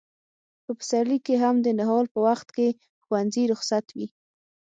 په پسرلي کې هم د نهال په وخت کې ښوونځي رخصت وي.